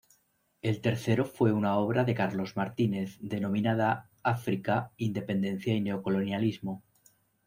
El tercero fue una obra de Carlos Martínez denominada "África: independencia y neocolonialismo".